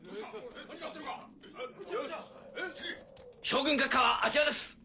将軍閣下はあちらです。